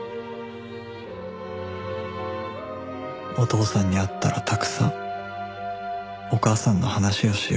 お父さんに会ったらたくさんお母さんの話をしよう